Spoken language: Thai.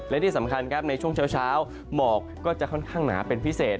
และที่สำคัญครับในช่วงเช้าหมอกก็จะค่อนข้างหนาเป็นพิเศษ